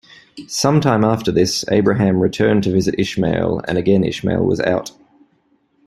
Some time after this, Abraham returned to visit Ishmael and again Ishmael was out.